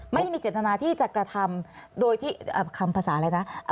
ไม่ได้มีเจตนาที่จะกระทำโดยที่คำภาษาอะไรนะ